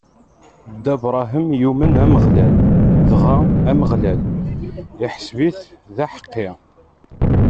Dda Bṛahim yumen Ameɣlal, dɣa Ameɣlal iḥesb-it d aḥeqqi.